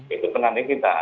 itu penanding kita